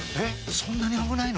そんなに危ないの？